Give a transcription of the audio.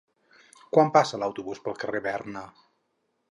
Quan passa l'autobús pel carrer Berna?